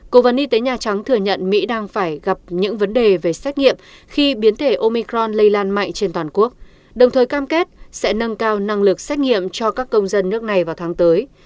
cố vấn y tế nhà trắng thừa nhận mỹ đang phải gặp những vấn đề về xét nghiệm khi biến thể omicron lây lan mạnh trên toàn quốc đồng thời cam kết sẽ nâng cao năng lực xét nghiệm cho các công dân nước này vào tháng tới